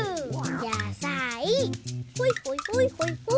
やさいほいほいほいほいほい。